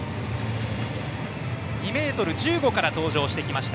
２ｍ１５から登場してきました。